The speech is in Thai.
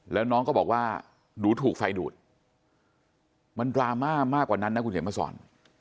แล้วน้องก็บอกว่าหนูถูกไฟดูดมันดราม่ามากกว่านั้นนะคุณเขียนมาสอน